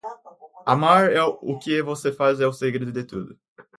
Amar o que você faz é o segredo de tudo.